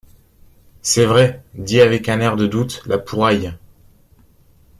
C’est vrai ! dit avec un air de doute La Pouraille.